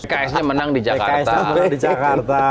pks nya menang di jakarta